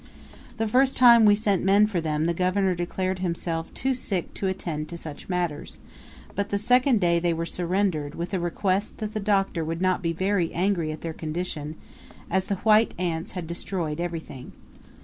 The first time we sent men for them the governor declared himself too sick to attend to such matters, but the second day they were surrendered, with a request that the Doctor would not be very angry at their condition, as the white ants had destroyed everything.